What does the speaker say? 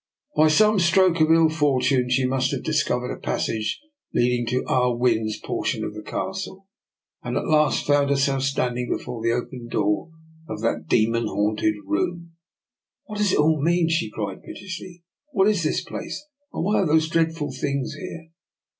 By some stroke of DR. NIKOLA'S EXPERIMENT. 197 ill fortune she must have discovered a passage leading to Ah Win's portion of the Castle, and at last found herself standing before the open door of that demon haunted room. What does it all mean? " she cried pite ously. " What is this place, and why are these dreadful things here?